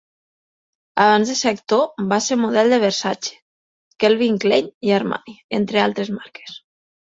Abans de ser actor, va ser model de Versace, Calvin Klein i Armani, entre altres marques.